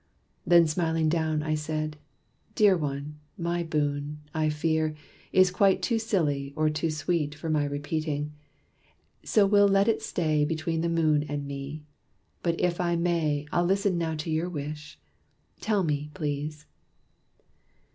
Then smiling down, I said, "Dear one! my boon, I fear, is quite too silly or too sweet For my repeating: so we'll let it stay Between the moon and me. But if I may I'll listen now to your wish. Tell me, please!"